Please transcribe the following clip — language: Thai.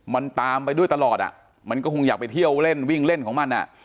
มันตามไปด้วยตลอดอ่ะมันก็คงอยากไปเที่ยวเล่นวิ่งเล่นของมันอ่ะ